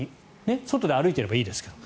外で歩いていればいいですけど。